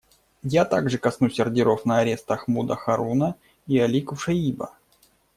Я также коснусь ордеров на арест Ахмада Харуна и Али Кушаиба.